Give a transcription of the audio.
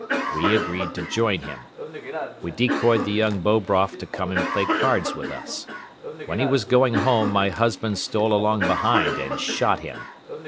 We agreed to join him. We decoyed the young Bobroff to come and play cards with us. When he was going home my husband stole along behind and shot him.